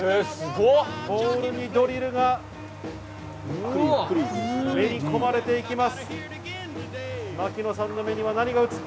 ボールにドリルがめり込まれていきます！